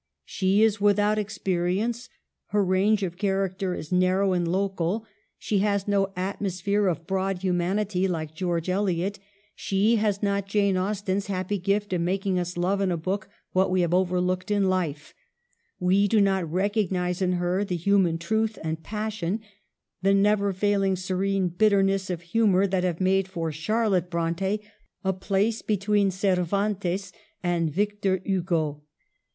She is without ex perience ; her range of character is narrow and local ; she has no atmosphere of broad humanity like George Eliot ; she has not Jane Austen's happy gift of making us love in a book what we have overlooked in life \ we do not recognize in her the human truth and passion, the never failing serene bitterness of humor, that have made for Charlotte Bronte a place between Cer vantes and Victor Hugo.